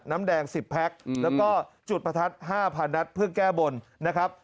น้ำแดง๑๐แพ็คแล้วก็จุดประทัด๕๐๐นัดเพื่อแก้บนนะครับ